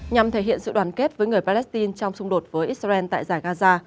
nhằm thể hiện sự đoàn kết với người palestine trong xung đột với israel tại giải gaza